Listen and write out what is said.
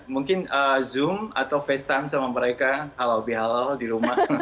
mungkin zoom atau face time sama mereka halal bihalal di rumah